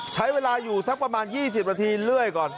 ใช้เวลาอยู่สักประมาณ๒๐นาทีเรื่อยก่อน